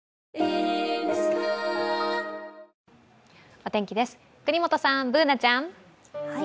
お天気です、國本さん、Ｂｏｏｎａちゃん。